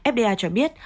fda cho biết